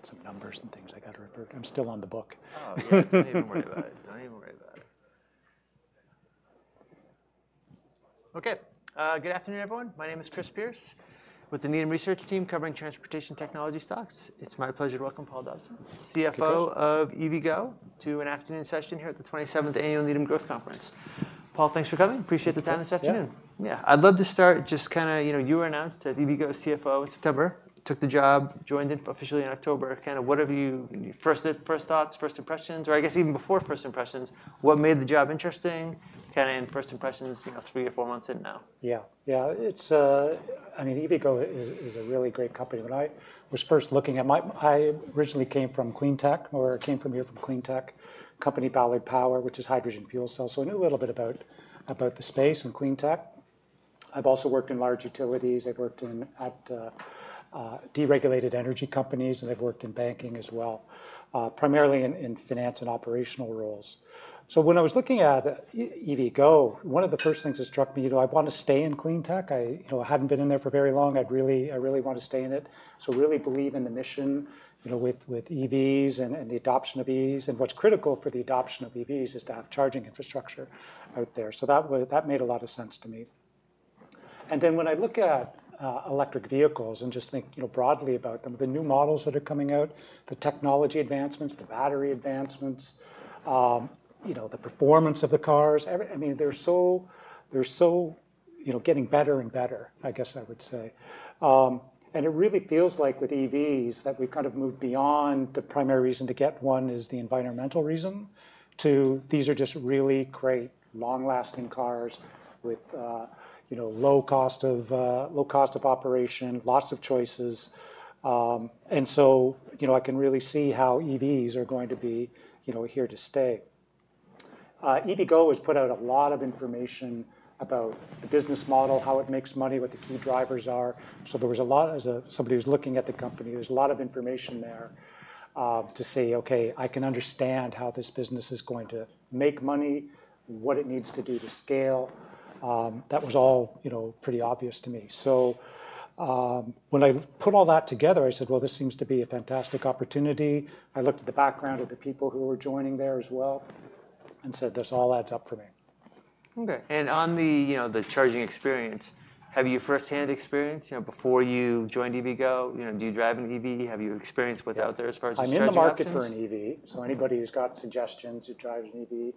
I got some numbers and things I got to report. I'm still on the book. Oh, don't even worry about it. Don't even worry about it. Okay. Good afternoon, everyone. My name is Chris Pierce with the Needham Research team covering transportation technology stocks. It's my pleasure to welcome Paul Dobson, CFO of EVgo, to an afternoon session here at the 27th Annual NEDM Growth Conference. Paul, thanks for coming. Appreciate the time this afternoon. Thank you. Yeah. I'd love to start just kind of, you know, you were announced as EVgo's CFO in September, took the job, joined it officially in October. Kind of what are your first thoughts, first impressions? Or I guess even before first impressions, what made the job interesting? Kind of first impressions, you know, three or four months in now. Yeah. Yeah. It's, I mean, EVgo is a really great company. When I was first looking at, I originally came from Cleantech, or came from here from Cleantech, a company Ballard Power, which is hydrogen fuel cells. So I knew a little bit about the space and Cleantech. I've also worked in large utilities. I've worked in deregulated energy companies, and I've worked in banking as well, primarily in finance and operational roles. So when I was looking at EVgo, one of the first things that struck me, you know, I want to stay in Cleantech. I haven't been in there for very long. I really want to stay in it. So I really believe in the mission, you know, with EVs and the adoption of EVs, and what's critical for the adoption of EVs is to have charging infrastructure out there. So that made a lot of sense to me. And then when I look at electric vehicles and just think, you know, broadly about them, the new models that are coming out, the technology advancements, the battery advancements, you know, the performance of the cars, I mean, they're so, you know, getting better and better, I guess I would say. And it really feels like with EVs that we've kind of moved beyond the primary reason to get one is the environmental reason to these are just really great, long-lasting cars with, you know, low cost of operation, lots of choices. And so, you know, I can really see how EVs are going to be, you know, here to stay. EVgo has put out a lot of information about the business model, how it makes money, what the key drivers are. So there was a lot, as somebody who's looking at the company. There's a lot of information there to say, okay, I can understand how this business is going to make money, what it needs to do to scale. That was all, you know, pretty obvious to me. So when I put all that together, I said, well, this seems to be a fantastic opportunity. I looked at the background of the people who were joining there as well and said, this all adds up for me. Okay. And on the, you know, the charging experience, have you firsthand experience, you know, before you joined EVgo? You know, do you drive an EV? Have you experienced what's out there as far as charging? I'm in the market for an EV, so anybody who's got suggestions who drives an EV,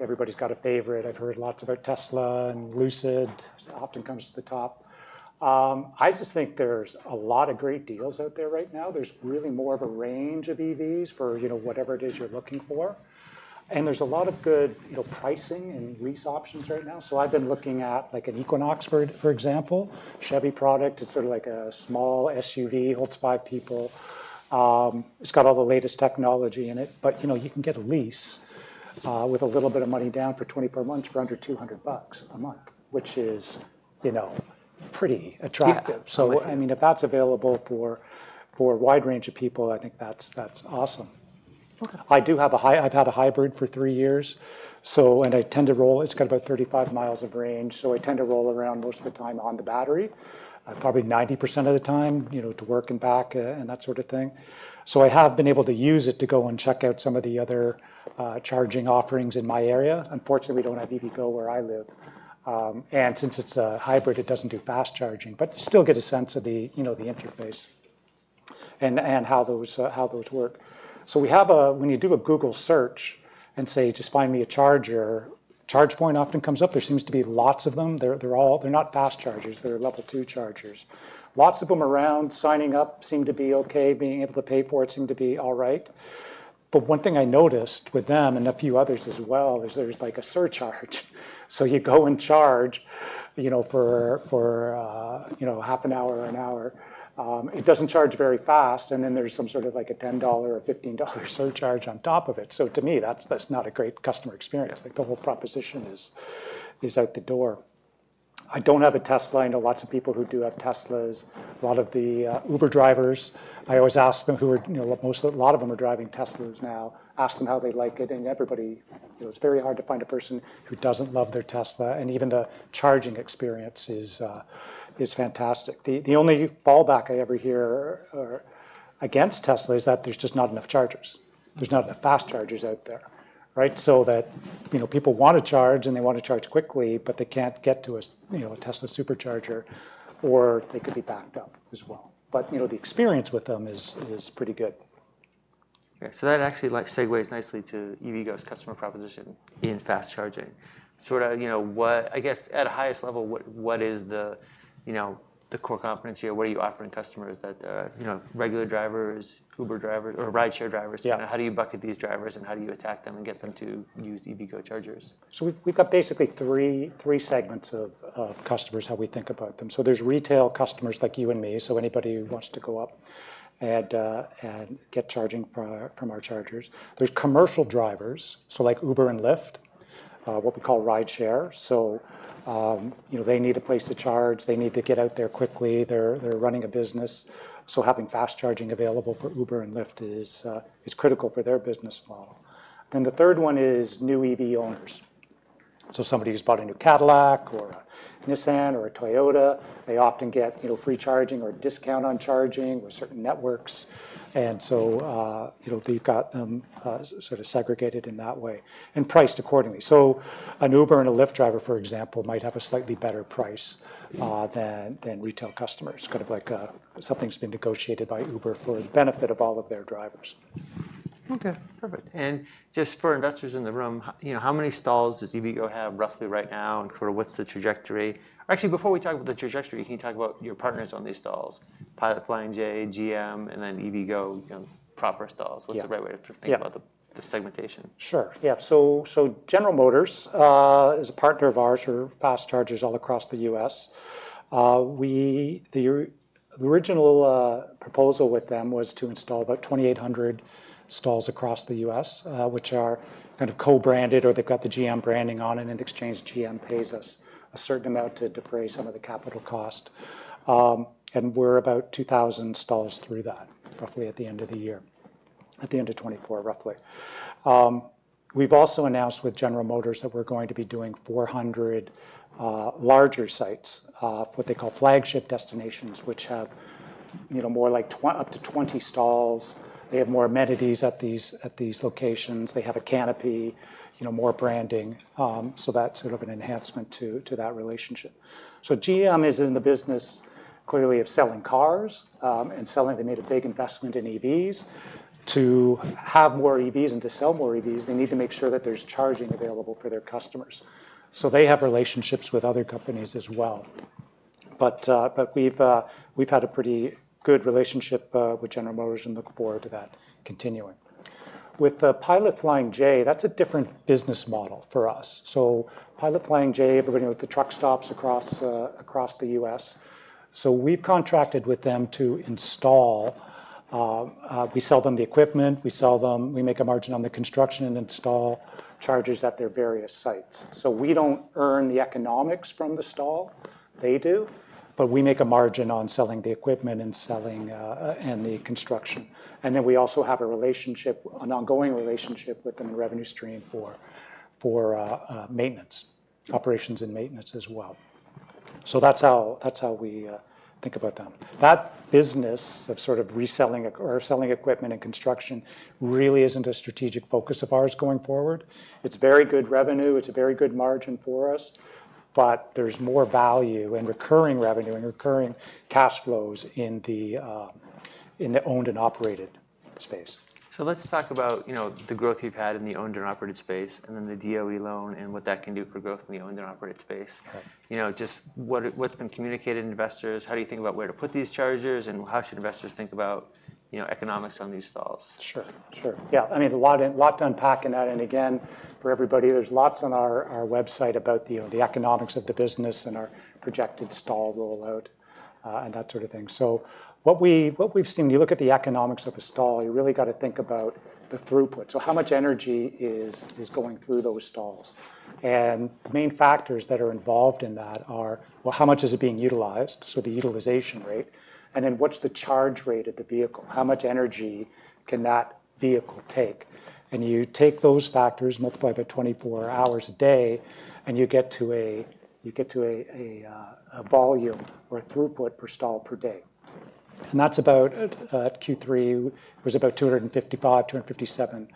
everybody's got a favorite. I've heard lots about Tesla and Lucid often comes to the top. I just think there's a lot of great deals out there right now. There's really more of a range of EVs for, you know, whatever it is you're looking for, and there's a lot of good, you know, pricing and lease options right now, so I've been looking at like an Equinox, for example, Chevy product. It's sort of like a small SUV, holds five people. It's got all the latest technology in it, but, you know, you can get a lease with a little bit of money down for 24 months for under $200 a month, which is, you know, pretty attractive. I mean, if that's available for a wide range of people, I think that's awesome. I do have a hybrid. I've had a hybrid for three years. And I tend to roll. It's got about 35 miles of range. So I tend to roll around most of the time on the battery, probably 90% of the time, you know, to work and back and that sort of thing. So I have been able to use it to go and check out some of the other charging offerings in my area. Unfortunately, we don't have EVgo where I live. And since it's a hybrid, it doesn't do fast charging, but you still get a sense of the, you know, the interface and how those work. So we have, when you do a Google search and say, just find me a charger, ChargePoint often comes up. There seems to be lots of them. They're not fast chargers. They're Level 2 chargers. Lots of them around signing up seem to be okay, being able to pay for it seem to be all right. But one thing I noticed with them and a few others as well is there's like a surcharge. So you go and charge, you know, for, you know, half an hour or an hour. It doesn't charge very fast. And then there's some sort of like a $10 or $15 surcharge on top of it. So to me, that's not a great customer experience. Like the whole proposition is out the door. I don't have a Tesla. I know lots of people who do have Teslas. A lot of the Uber drivers, I always ask them, you know, most of a lot of them are driving Teslas now, ask them how they like it. Everybody, you know, it's very hard to find a person who doesn't love their Tesla. Even the charging experience is fantastic. The only fallback I ever hear against Tesla is that there's just not enough chargers. There's not enough fast chargers out there, right? People want to charge and they want to charge quickly, but they can't get to a, you know, a Tesla Supercharger or they could be backed up as well. The experience with them is pretty good. Okay. So that actually like segues nicely to EVgo's customer proposition in fast charging. Sort of, you know, what, I guess at a highest level, what is the, you know, the core competency or what are you offering customers that, you know, regular drivers, Uber drivers, or rideshare drivers? Yeah. How do you bucket these drivers and how do you attack them and get them to use EVgo chargers? So we've got basically three segments of customers, how we think about them. So there's retail customers like you and me. So anybody who wants to go up and get charging from our chargers. There's commercial drivers, so like Uber and Lyft, what we call rideshare. So, you know, they need a place to charge. They need to get out there quickly. They're running a business. So having fast charging available for Uber and Lyft is critical for their business model. And the third one is new EV owners. So somebody who's bought a new Cadillac or a Nissan or a Toyota, they often get, you know, free charging or a discount on charging with certain networks. And so, you know, they've got them sort of segregated in that way and priced accordingly. So an Uber and a Lyft driver, for example, might have a slightly better price than retail customers. Kind of like something's been negotiated by Uber for the benefit of all of their drivers. Okay. Perfect. And just for investors in the room, you know, how many stalls does EVgo have roughly right now? And sort of what's the trajectory? Actually, before we talk about the trajectory, can you talk about your partners on these stalls? Pilot Flying J, GM, and then EVgo, you know, proper stalls. What's the right way to think about the segmentation? Sure. Yeah, so General Motors is a partner of ours for fast chargers all across the U.S. The original proposal with them was to install about 2,800 stalls across the U.S., which are kind of co-branded or they've got the GM branding on it. In exchange, GM pays us a certain amount to defray some of the capital cost, and we're about 2,000 stalls through that, roughly at the end of the year, at the end of 2024, roughly. We've also announced with General Motors that we're going to be doing 400 larger sites, what they call flagship destinations, which have, you know, more like up to 20 stalls. They have more amenities at these locations. They have a canopy, you know, more branding, so that's sort of an enhancement to that relationship, so GM is in the business clearly of selling cars and selling. They made a big investment in EVs. To have more EVs and to sell more EVs, they need to make sure that there's charging available for their customers. So they have relationships with other companies as well. But we've had a pretty good relationship with General Motors and look forward to that continuing. With the Pilot Flying J, that's a different business model for us. So Pilot Flying J, everybody with the truck stops across the U.S. So we've contracted with them to install. We sell them the equipment. We sell them. We make a margin on the construction and install chargers at their various sites. So we don't earn the economics from the stall. They do, but we make a margin on selling the equipment and selling and the construction. And then we also have a relationship, an ongoing relationship with them in revenue stream for maintenance, operations and maintenance as well. So that's how we think about them. That business of sort of reselling or selling equipment and construction really isn't a strategic focus of ours going forward. It's very good revenue. It's a very good margin for us. But there's more value and recurring revenue and recurring cash flows in the owned and operated space. So let's talk about, you know, the growth you've had in the owned and operated space and then the DOE loan and what that can do for growth in the owned and operated space. You know, just what's been communicated to investors? How do you think about where to put these chargers? And how should investors think about, you know, economics on these stalls? Sure. Sure. Yeah. I mean, a lot to unpack in that. And again, for everybody, there's lots on our website about the economics of the business and our projected stall rollout and that sort of thing. So what we've seen, you look at the economics of a stall, you really got to think about the throughput. So how much energy is going through those stalls? And the main factors that are involved in that are, well, how much is it being utilized? So the utilization rate. And then what's the charge rate of the vehicle? How much energy can that vehicle take? And you take those factors, multiply by 24 hours a day, and you get to a volume or a throughput per stall per day. And that's about, at Q3, it was about 255-257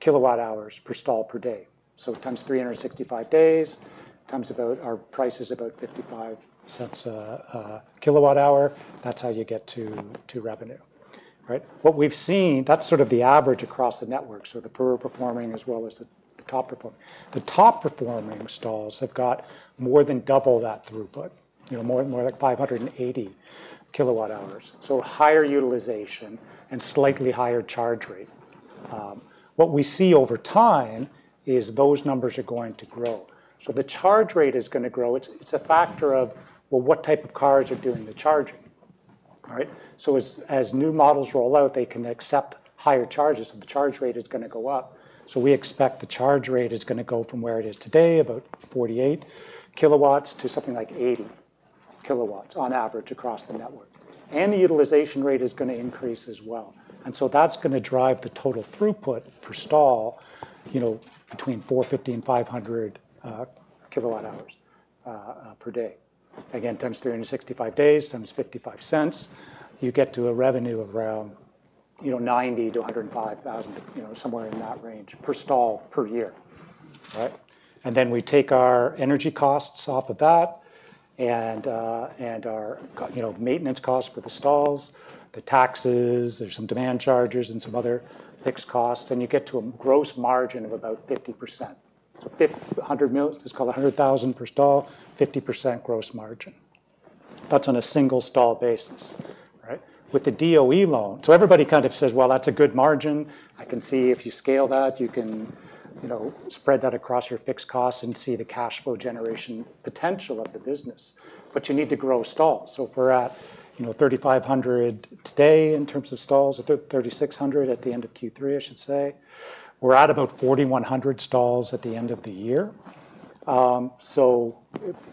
kilowatt hours per stall per day. So times 365 days, times about our price is about $0.55 a kilowatt-hour. That's how you get to revenue, right? What we've seen, that's sort of the average across the network. So the poorer performing as well as the top performing. The top performing stalls have got more than double that throughput, you know, more like 580 kilowatt-hours. So higher utilization and slightly higher charge rate. What we see over time is those numbers are going to grow. So the charge rate is going to grow. It's a factor of, well, what type of cars are doing the charging, right? So as new models roll out, they can accept higher charges. So the charge rate is going to go up. We expect the charge rate is going to go from where it is today, about 48 kilowatts to something like 80 kilowatts on average across the network. And the utilization rate is going to increase as well. And so that's going to drive the total throughput per stall, you know, between 450 and 500 kilowatt hours per day. Again, times 365 days, times $0.55, you get to a revenue around, you know, $90,000-$105,000, you know, somewhere in that range per stall per year, right? And then we take our energy costs off of that and our, you know, maintenance costs for the stalls, the taxes, there's some demand charges and some other fixed costs. And you get to a gross margin of about 50%. So $100 million, let's call it $100,000 per stall, 50% gross margin. That's on a single stall basis, right? With the DOE loan, everybody kind of says, well, that's a good margin. I can see if you scale that, you can, you know, spread that across your fixed costs and see the cash flow generation potential of the business. But you need to grow stalls. So if we're at, you know, 3,500 today in terms of stalls, 3,600 at the end of Q3, I should say. We're at about 4,100 stalls at the end of the year. So,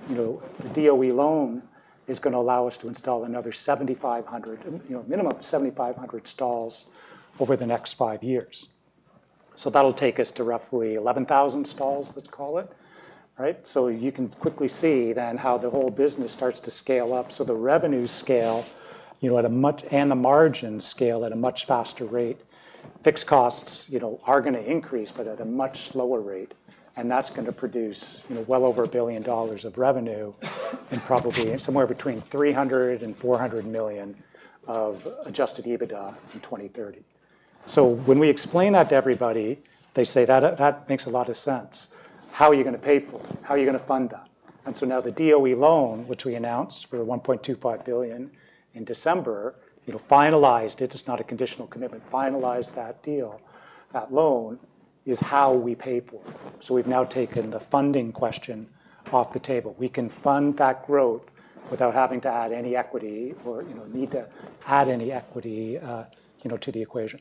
you know, the DOE loan is going to allow us to install another 7,500, you know, a minimum of 7,500 stalls over the next five years. So that'll take us to roughly 11,000 stalls, let's call it, right? So you can quickly see then how the whole business starts to scale up. So the revenues scale, you know, at a much, and the margins scale at a much faster rate. Fixed costs, you know, are going to increase, but at a much slower rate. And that's going to produce, you know, well over $1 billion of revenue and probably somewhere between $300 million and $400 million of Adjusted EBITDA in 2030. So when we explain that to everybody, they say that makes a lot of sense. How are you going to pay for it? How are you going to fund that? And so now the DOE loan, which we announced for $1.25 billion in December, you know, finalized it, it's not a conditional commitment, finalized that deal, that loan is how we pay for it. So we've now taken the funding question off the table. We can fund that growth without having to add any equity or, you know, need to add any equity, you know, to the equation.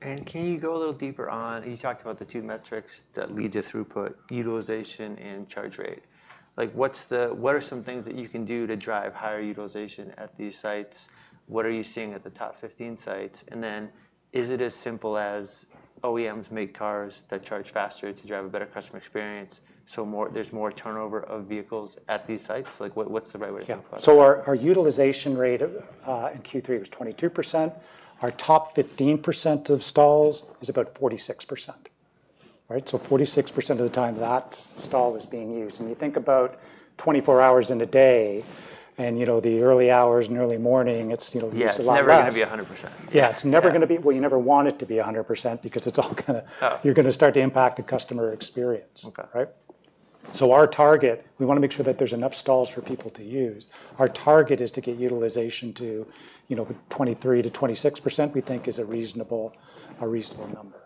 Can you go a little deeper on, you talked about the two metrics that lead to throughput, utilization and charge rate. Like, what are some things that you can do to drive higher utilization at these sites? What are you seeing at the top 15 sites? And then, is it as simple as OEMs make cars that charge faster to drive a better customer experience? So, there's more turnover of vehicles at these sites? Like, what's the right way to talk about it? Yeah. So our utilization rate in Q3 was 22%. Our top 15% of stalls is about 46%, right? So 46% of the time that stall is being used. And you think about 24 hours in a day and, you know, the early hours and early morning, it's, you know, there's a lot of. Yeah. It's never going to be 100%. Yeah. It's never going to be, well, you never want it to be 100% because it's all going to, you're going to start to impact the customer experience, right? So our target, we want to make sure that there's enough stalls for people to use. Our target is to get utilization to, you know, 23%-26% we think is a reasonable number.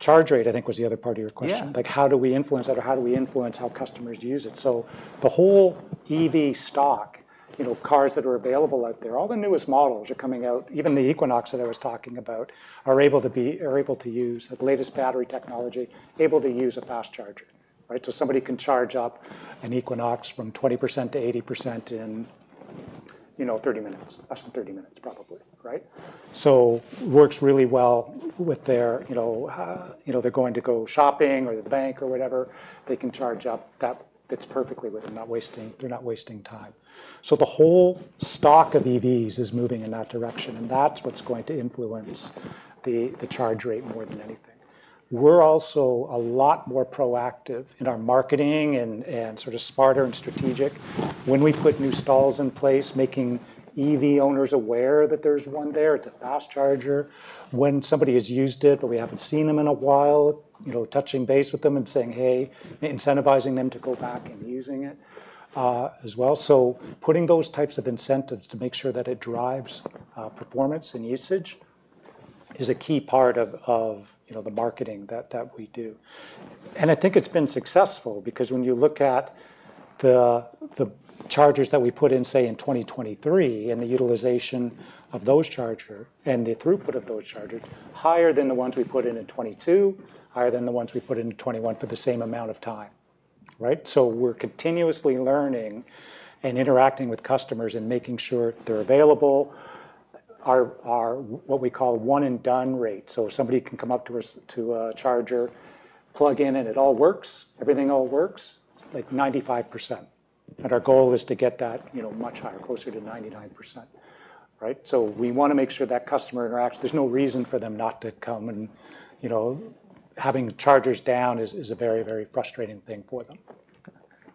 Charge rate, I think was the other part of your question. Like how do we influence that or how do we influence how customers use it? So the whole EV stock, you know, cars that are available out there, all the newest models are coming out, even the Equinox that I was talking about are able to be, are able to use the latest battery technology, able to use a fast charger, right? So somebody can charge up an Equinox from 20%-80% in, you know, 30 minutes, less than 30 minutes probably, right? So it works really well with their, you know, you know, they're going to go shopping or the bank or whatever, they can charge up that fits perfectly with them, not wasting, they're not wasting time. So the whole stock of EVs is moving in that direction. And that's what's going to influence the charge rate more than anything. We're also a lot more proactive in our marketing and sort of smarter and strategic when we put new stalls in place, making EV owners aware that there's one there. It's a fast charger. When somebody has used it, but we haven't seen them in a while, you know, touching base with them and saying, hey, incentivizing them to go back and using it as well. Putting those types of incentives to make sure that it drives performance and usage is a key part of, you know, the marketing that we do. And I think it's been successful because when you look at the chargers that we put in, say, in 2023 and the utilization of those chargers and the throughput of those chargers, higher than the ones we put in in 2022, higher than the ones we put in in 2021 for the same amount of time, right? So we're continuously learning and interacting with customers and making sure they're available. Our, what we call one and done rate. So if somebody can come up to a charger, plug in and it all works, everything all works, it's like 95%. And our goal is to get that, you know, much higher, closer to 99%, right? So we want to make sure that customer interaction, there's no reason for them not to come and, you know, having chargers down is a very, very frustrating thing for them.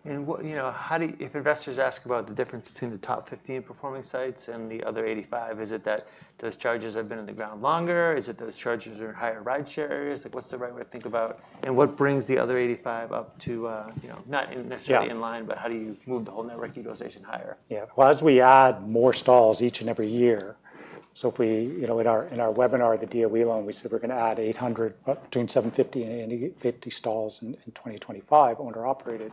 What, you know, if investors ask about the difference between the top 50 performing sites and the other 85, is it that those chargers have been in the ground longer? Is it those chargers are in higher rideshare areas? Like, what's the right way to think about and what brings the other 85 up to, you know, not necessarily in line, but how do you move the whole network utilization higher? Yeah. Well, as we add more stalls each and every year, so if we, you know, in our webinar, the DOE loan, we said we're going to add 800, between 750 and 850 stalls in 2025, owner operated.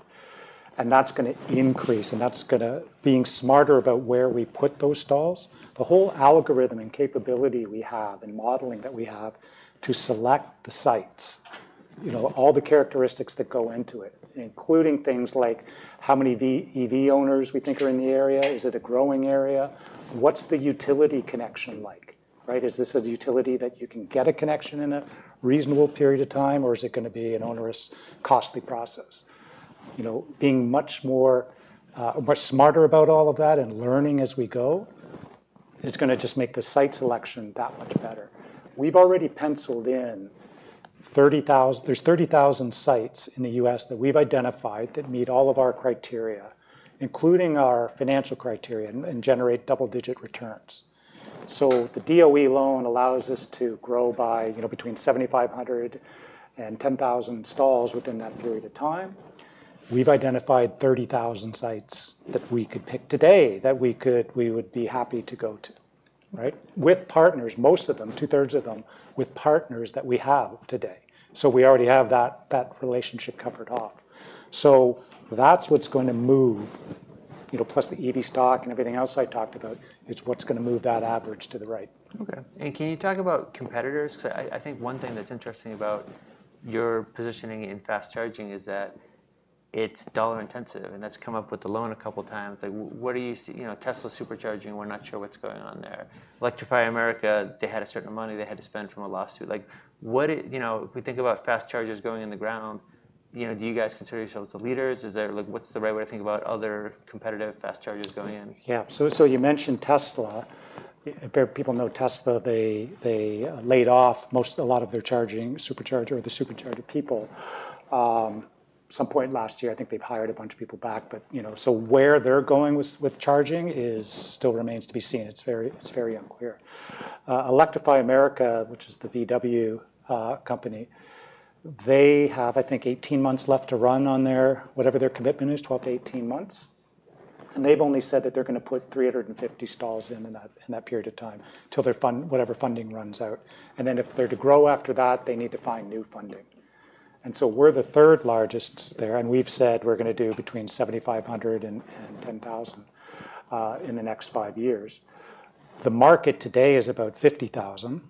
And that's going to increase and that's going to be smarter about where we put those stalls. The whole algorithm and capability we have and modeling that we have to select the sites, you know, all the characteristics that go into it, including things like how many EV owners we think are in the area, is it a growing area, what's the utility connection like, right? Is this a utility that you can get a connection in a reasonable period of time or is it going to be an onerous, costly process? You know, being much more, much smarter about all of that and learning as we go is going to just make the site selection that much better. We've already penciled in 30,000. There's 30,000 sites in the U.S. that we've identified that meet all of our criteria, including our financial criteria and generate double-digit returns. So the DOE loan allows us to grow by, you know, between 7,500 and 10,000 stalls within that period of time. We've identified 30,000 sites that we could pick today we would be happy to go to, right? With partners, most of them, two-thirds of them, with partners that we have today. So we already have that relationship covered off. So that's what's going to move, you know, plus the EV stock and everything else I talked about is what's going to move that average to the right. Okay. And can you talk about competitors? Because I think one thing that's interesting about your positioning in fast charging is that it's dollar intensive, and that's come up with the loan a couple of times. Like, what are you, you know, Tesla Supercharger, we're not sure what's going on there. Electrify America, they had a certain amount they had to spend from a lawsuit. Like, what, you know, if we think about fast chargers going in the ground, you know, do you guys consider yourselves the leaders? Is there, like, what's the right way to think about other competitive fast chargers going in? Yeah. So you mentioned Tesla. People know Tesla. They laid off most, a lot of their charging, Supercharger or the Supercharger people. At some point last year, I think they've hired a bunch of people back, but you know, so where they're going with charging still remains to be seen. It's very, it's very unclear. Electrify America, which is the VW company, they have, I think, 18 months left to run on their, whatever their commitment is, 12-18 months. And they've only said that they're going to put 350 stalls in that period of time until their fund, whatever funding runs out. And then if they're to grow after that, they need to find new funding. And so we're the third largest there and we've said we're going to do between 7,500 and 10,000 in the next five years. The market today is about 50,000.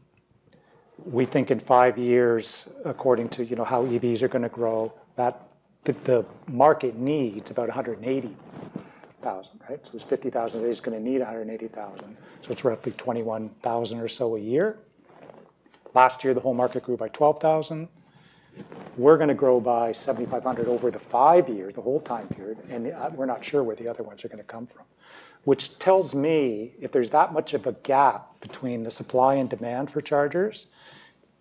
We think in five years, according to, you know, how EVs are going to grow, that the market needs about 180,000, right? So there's 50,000 that is going to need 180,000. So it's roughly 21,000 or so a year. Last year, the whole market grew by 12,000. We're going to grow by 7,500 over the five years, the whole time period. We're not sure where the other ones are going to come from, which tells me if there's that much of a gap between the supply and demand for chargers,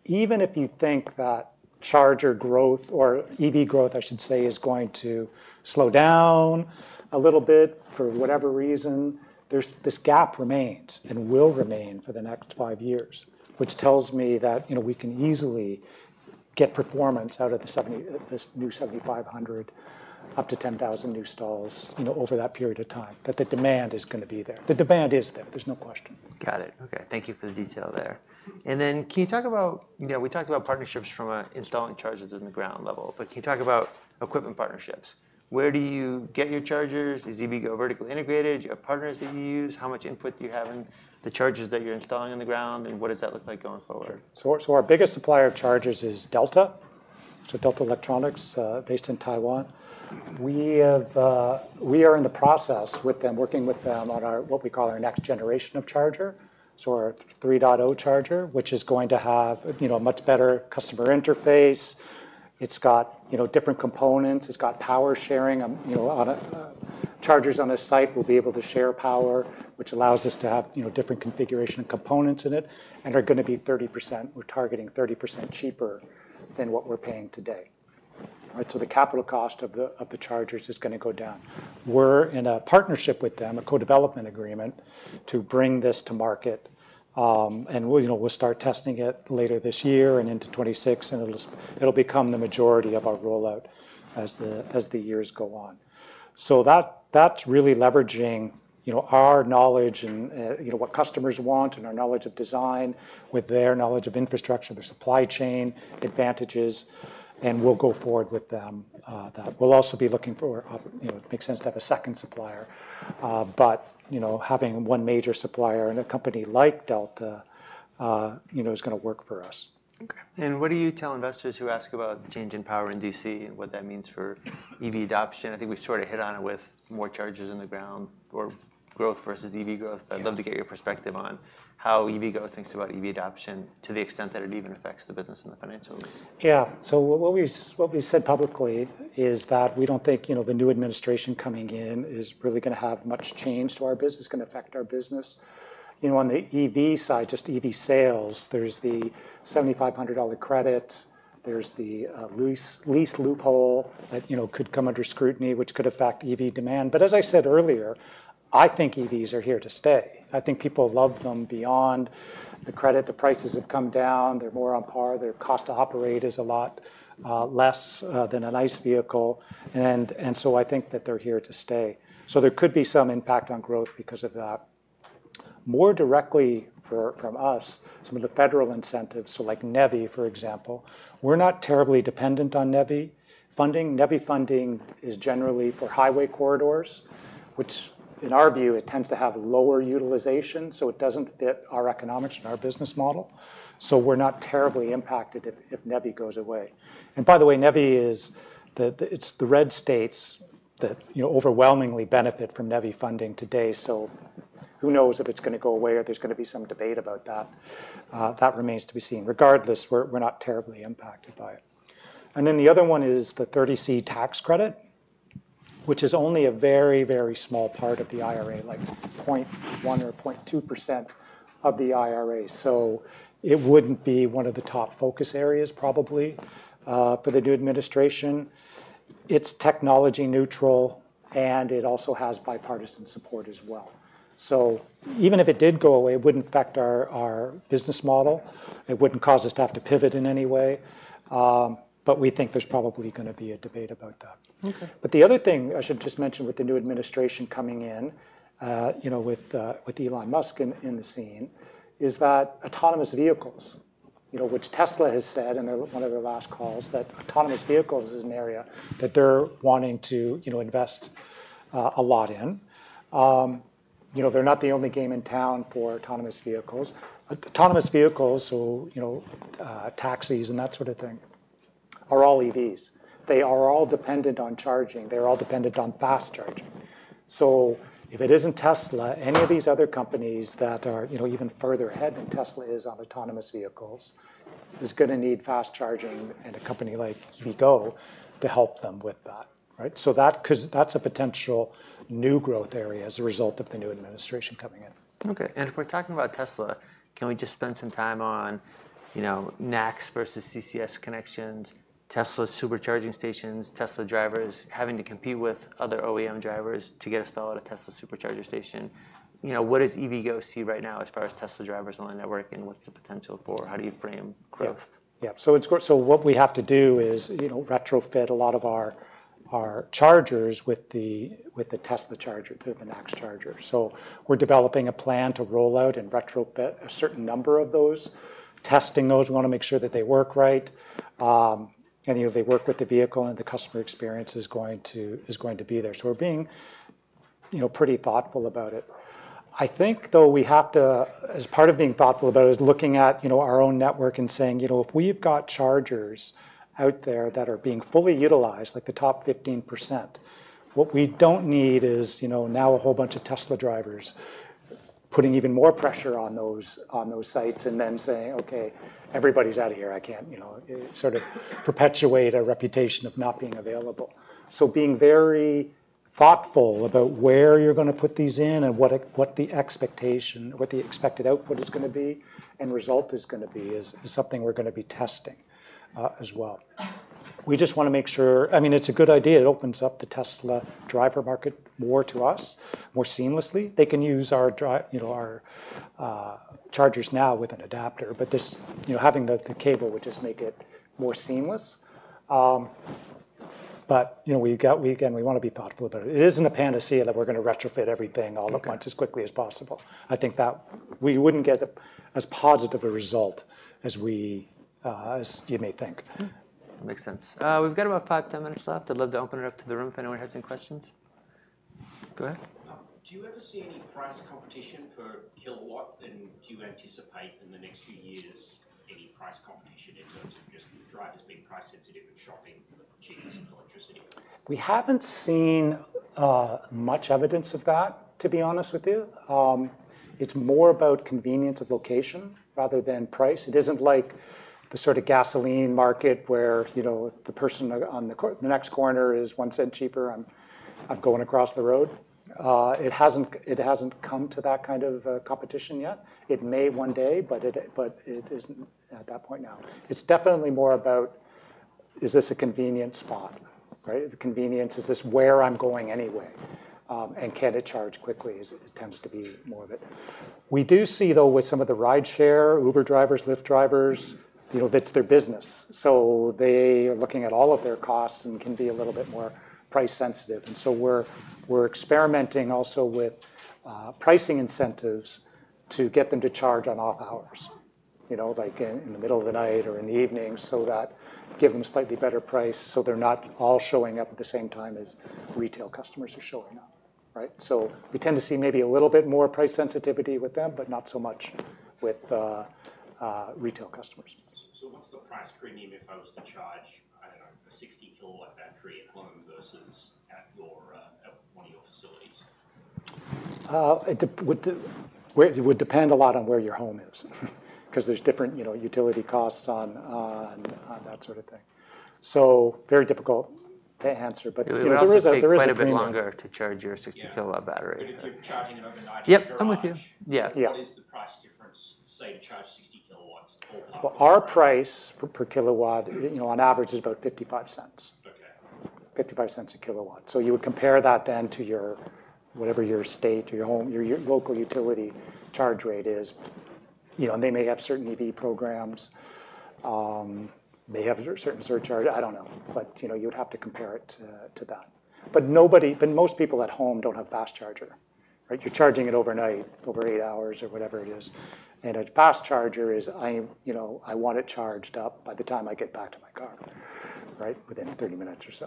even if you think that charger growth or EV growth, I should say, is going to slow down a little bit for whatever reason, there's this gap remains and will remain for the next five years, which tells me that, you know, we can easily get performance out of the new 7,500-10,000 new stalls, you know, over that period of time, that the demand is going to be there. The demand is there. There's no question. Got it. Okay. Thank you for the detail there. And then can you talk about, you know, we talked about partnerships from installing chargers in the ground level, but can you talk about equipment partnerships? Where do you get your chargers? Is EVgo vertically integrated? Do you have partners that you use? How much input do you have in the chargers that you're installing in the ground? And what does that look like going forward? Our biggest supplier of chargers is Delta. Delta Electronics, based in Taiwan. We are in the process with them, working with them on our, what we call our next generation of charger. Our 3.0 charger, which is going to have, you know, a much better customer interface. It's got, you know, different components. It's got power sharing, you know, chargers on a site will be able to share power, which allows us to have, you know, different configuration and components in it. And they're going to be 30%. We're targeting 30% cheaper than what we're paying today. The capital cost of the chargers is going to go down. We're in a partnership with them, a co-development agreement to bring this to market. We'll, you know, start testing it later this year and into 2026. It'll become the majority of our rollout as the years go on, so that's really leveraging, you know, our knowledge and, you know, what customers want and our knowledge of design with their knowledge of infrastructure, their supply chain advantages, and we'll go forward with them. We'll also be looking for, you know, it makes sense to have a second supplier, but, you know, having one major supplier and a company like Delta, you know, is going to work for us. Okay. And what do you tell investors who ask about the change in power in DC and what that means for EV adoption? I think we sort of hit on it with more chargers in the ground or growth versus EV growth. But I'd love to get your perspective on how EVgo thinks about EV adoption to the extent that it even affects the business and the financials. Yeah. So what we've said publicly is that we don't think, you know, the new administration coming in is really going to have much change to our business, going to affect our business. You know, on the EV side, just EV sales, there's the $7,500 credit. There's the lease loophole that, you know, could come under scrutiny, which could affect EV demand. But as I said earlier, I think EVs are here to stay. I think people love them beyond the credit. The prices have come down. They're more on par. Their cost to operate is a lot less than a nice vehicle. And so I think that they're here to stay. So there could be some impact on growth because of that. More directly from us, some of the federal incentives. So like NEVI, for example, we're not terribly dependent on NEVI funding. NEVI funding is generally for highway corridors, which in our view, it tends to have lower utilization. So it doesn't fit our economics and our business model. So we're not terribly impacted if NEVI goes away. And by the way, NEVI is the, it's the red states that, you know, overwhelmingly benefit from NEVI funding today. So who knows if it's going to go away or there's going to be some debate about that. That remains to be seen. Regardless, we're not terribly impacted by it. And then the other one is the 30C tax credit, which is only a very, very small part of the IRA, like 0.1% or 0.2% of the IRA. So it wouldn't be one of the top focus areas probably for the new administration. It's technology neutral and it also has bipartisan support as well. Even if it did go away, it wouldn't affect our business model. It wouldn't cause us to have to pivot in any way. We think there's probably going to be a debate about that. The other thing I should just mention with the new administration coming in, you know, with Elon Musk in the scene is that autonomous vehicles, you know, which Tesla has said in one of their last calls that autonomous vehicles is an area that they're wanting to, you know, invest a lot in. You know, they're not the only game in town for autonomous vehicles. Autonomous vehicles, you know, taxis and that sort of thing are all EVs. They are all dependent on charging. They're all dependent on fast charging. So if it isn't Tesla, any of these other companies that are, you know, even further ahead than Tesla is on autonomous vehicles is going to need fast charging and a company like EVgo to help them with that, right? So that's a potential new growth area as a result of the new administration coming in. Okay. And if we're talking about Tesla, can we just spend some time on, you know, NACS versus CCS connections, Tesla Supercharger stations, Tesla drivers having to compete with other OEM drivers to get a stall at a Tesla Supercharger station? You know, what does EVgo see right now as far as Tesla drivers on the network and what's the potential for, how do you frame growth? Yeah. So what we have to do is, you know, retrofit a lot of our chargers with the Tesla charger, the NACS charger. So we're developing a plan to roll out and retrofit a certain number of those, testing those. We want to make sure that they work right. And you know, they work with the vehicle and the customer experience is going to be there. So we're being, you know, pretty thoughtful about it. I think though we have to, as part of being thoughtful about it, is looking at, you know, our own network and saying, you know, if we've got chargers out there that are being fully utilized, like the top 15%, what we don't need is, you know, now a whole bunch of Tesla drivers putting even more pressure on those sites and then saying, okay, everybody's out of here. I can't, you know, sort of perpetuate a reputation of not being available. So being very thoughtful about where you're going to put these in and what the expectation, what the expected output is going to be and result is going to be is something we're going to be testing as well. We just want to make sure, I mean, it's a good idea. It opens up the Tesla driver market more to us, more seamlessly. They can use our, you know, our chargers now with an adapter, but this, you know, having the cable would just make it more seamless. But, you know, we got, we again, we want to be thoughtful about it. It isn't a panacea that we're going to retrofit everything all at once as quickly as possible. I think that we wouldn't get as positive a result as we, as you may think. Makes sense. We've got about five, ten minutes left. I'd love to open it up to the room if anyone had some questions. Go ahead. Do you ever see any price competition per kilowatt? And do you anticipate in the next few years any price competition in terms of just drivers being price sensitive and shopping for the cheapest electricity? We haven't seen much evidence of that, to be honest with you. It's more about convenience of location rather than price. It isn't like the sort of gasoline market where, you know, the person on the next corner is one cent cheaper. I'm going across the road. It hasn't come to that kind of competition yet. It may one day, but it isn't at that point now. It's definitely more about, is this a convenient spot, right? The convenience, is this where I'm going anyway? And can it charge quickly? It tends to be more of it. We do see though with some of the ride share, Uber drivers, Lyft drivers, you know, that's their business. So they are looking at all of their costs and can be a little bit more price sensitive. And so we're experimenting also with pricing incentives to get them to charge on off hours, you know, like in the middle of the night or in the evening so that give them a slightly better price so they're not all showing up at the same time as retail customers are showing up, right? So we tend to see maybe a little bit more price sensitivity with them, but not so much with retail customers. So what's the price premium if I was to charge, I don't know, a 60 kW battery at home versus at one of your facilities? It would depend a lot on where your home is because there's different, you know, utility costs on that sort of thing. So very difficult to answer, but there is a price point. It takes quite a bit longer to charge your 60 kilowatt battery. If you're charging it overnight. Yep, I'm with you. Yeah. What is the price difference say to charge 60 kilowatts? Our price per kilowatt, you know, on average is about $0.55. Okay. $0.55 a kilowatt. So you would compare that then to your, whatever your state or your home or your local utility charge rate is, you know, and they may have certain EV programs, may have certain surcharge, I don't know, but you know, you would have to compare it to that. But nobody, but most people at home don't have a fast charger, right? You're charging it overnight, over eight hours or whatever it is. And a fast charger is, you know, I want it charged up by the time I get back to my car, right? Within 30 minutes or so.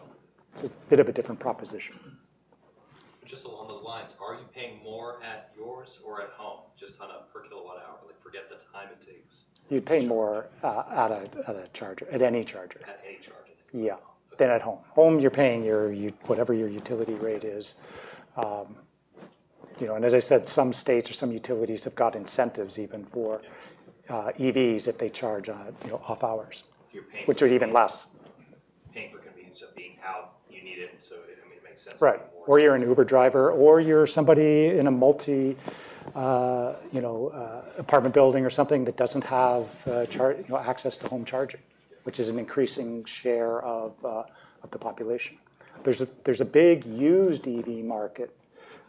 It's a bit of a different proposition. Just along those lines, are you paying more at yours or at home just on a per kilowatt hour? Like forget the time it takes. You'd pay more at a charger, at any charger. At any charger. Yeah. Than at home. Home you're paying your, whatever your utility rate is. You know, and as I said, some states or some utilities have got incentives even for EVs if they charge off hours. You're paying. Which are even less. Paying for convenience of being out, you need it. So it makes sense. Right. Or you're an Uber driver or you're somebody in a multi, you know, apartment building or something that doesn't have access to home charging, which is an increasing share of the population. There's a big used EV market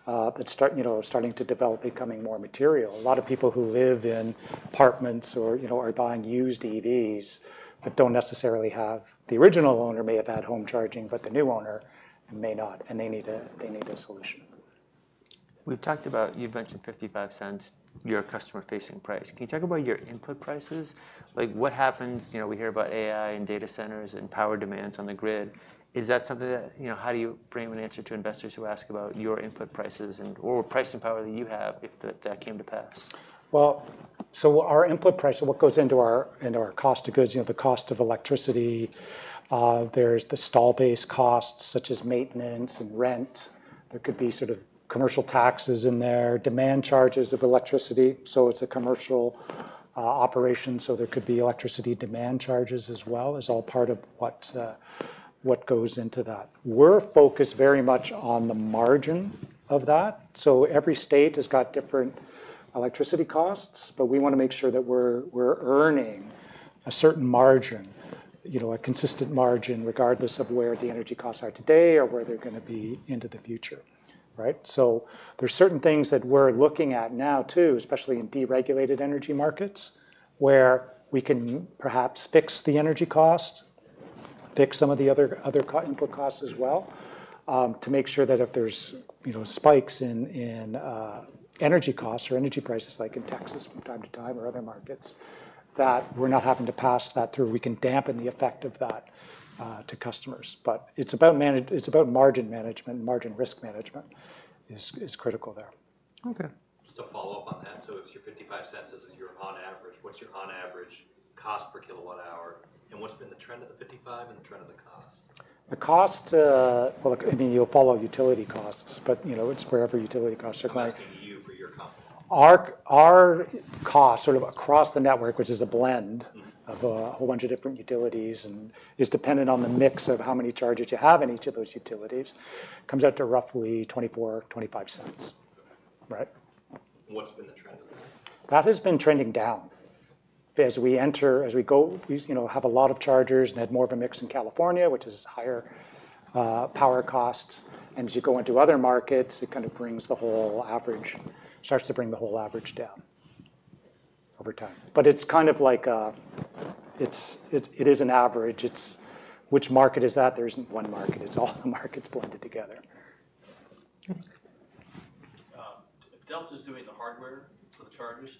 that's starting to develop, becoming more material. A lot of people who live in apartments or, you know, are buying used EVs but don't necessarily have the original owner may have had home charging, but the new owner may not and they need a solution. We've talked about, you've mentioned $0.55, your customer-facing price. Can you talk about your input prices? Like what happens, you know, we hear about AI and data centers and power demands on the grid. Is that something that, you know, how do you frame an answer to investors who ask about your input prices and or price and power that you have if that came to pass? Our input price, what goes into our cost of goods, you know, the cost of electricity. There's the stall-based costs such as maintenance and rent. There could be sort of commercial taxes in there, demand charges of electricity. It's a commercial operation. There could be electricity demand charges as well as all part of what goes into that. We're focused very much on the margin of that. Every state has got different electricity costs, but we want to make sure that we're earning a certain margin, you know, a consistent margin regardless of where the energy costs are today or where they're going to be into the future, right? There's certain things that we're looking at now too, especially in deregulated energy markets where we can perhaps fix the energy cost, fix some of the other input costs as well to make sure that if there's, you know, spikes in energy costs or energy prices like in Texas from time to time or other markets, that we're not having to pass that through. We can dampen the effect of that to customers. It's about margin management, and margin risk management is critical there. Okay. Just to follow up on that. So if your $0.55 is your on average, what's your on average cost per kilowatt hour and what's been the trend of the $0.55 and the trend of the cost? The cost, well, I mean, you'll follow utility costs, but you know, it's wherever utility costs are going. I'm asking you for your company. Our cost sort of across the network, which is a blend of a whole bunch of different utilities and is dependent on the mix of how many chargers you have in each of those utilities, comes out to roughly $0.24-$0.25, right? What's been the trend of that? That has been trending down as we enter, as we go, you know, have a lot of chargers and had more of a mix in California, which is higher power costs, and as you go into other markets, it kind of brings the whole average, starts to bring the whole average down over time, but it's kind of like a, it is an average. It's which market is that? There isn't one market. It's all the markets blended together. If Delta is doing the hardware for the chargers,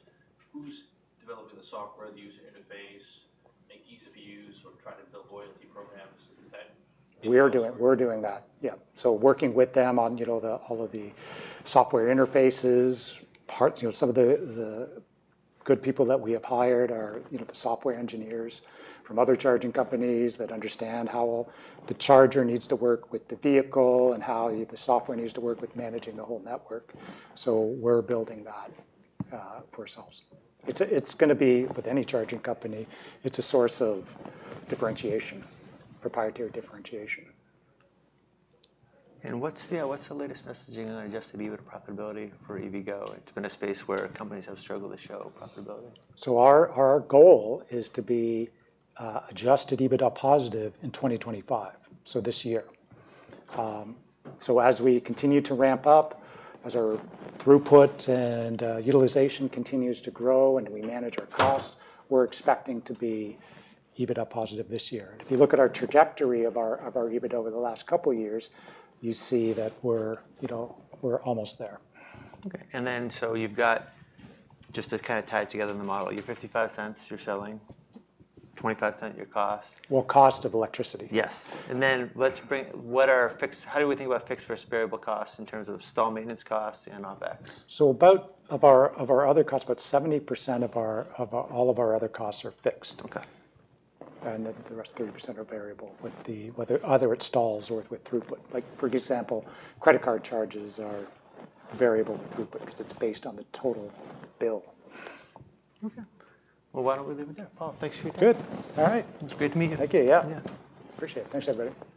who's developing the software, the user interface, making ease of use or try to build loyalty programs? Is that? We're doing that. Yeah, so working with them on, you know, all of the software interfaces, parts, you know, some of the good people that we have hired are, you know, the software engineers from other charging companies that understand how the charger needs to work with the vehicle and how the software needs to work with managing the whole network. So, we're building that for ourselves. It's going to be with any charging company. It's a source of differentiation, proprietary differentiation. What's the latest messaging on adjusted EV profitability for EVgo? It's been a space where companies have struggled to show profitability. Our goal is to be Adjusted EBITDA positive in 2025. This year. As we continue to ramp up, as our throughput and utilization continues to grow and we manage our costs, we're expecting to be EBITDA positive this year. If you look at our trajectory of our EBITDA over the last couple of years, you see that we're, you know, we're almost there. Okay, and then so you've got just to kind of tie it together in the model, your $0.55, you're selling $0.25 your cost. Cost of electricity. Yes, and then how do we think about fixed versus variable costs in terms of stall maintenance costs and OpEx? About 70% of all of our other costs are fixed. Okay. The rest 30% are variable with the, whether it stalls or with throughput. Like for example, credit card charges are variable with throughput because it's based on the total bill. Okay. Well, why don't we leave it there? Paul, thanks for your time. All right. It's great to meet you. Thank you. Yeah. Appreciate it. Thanks, everybody.